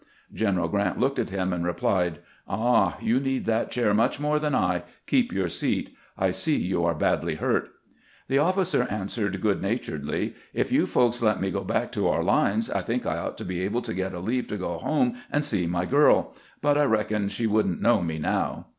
General Grrant looked at him, and replied: "Ah, you need that chair much more than I ; keep your seat. I see you are badly hurt." The oflScer answered good naturedly :" If you folks let me go back to our lines, I think I ought to be able to get a leave to go home and see my girl ; but I reckon she would n't know me now."